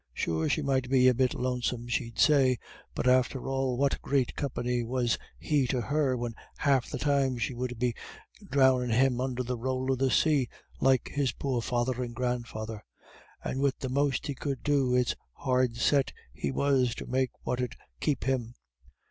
Sure she might be a bit lonesome, she'd say, but after all what great company was he to her when half the time she would be drowndin' him under the rowl of the say, like his poor father and grandfather? And wid the most he could do it's hard set he was to make what 'ud keep him.